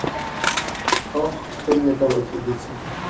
Or tel n’est pas votre objectif.